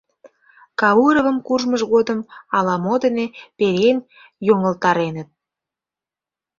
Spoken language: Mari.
Кауровым куржмыж годым ала-мо дене перен йоҥылтареныт.